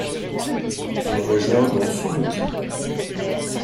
Il rejoint donc Suzuki.